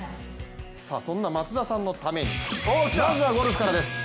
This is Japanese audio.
そんな松田さんのためにまずはゴルフからです。